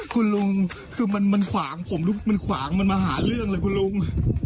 คุณลุงคือมันขวางผมหรือมันขวางมันมาหาเรื่องเลยคุณลุง